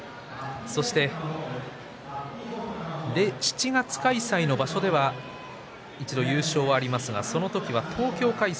そして、７月開催の場所では一度、優勝はありますがその時は東京開催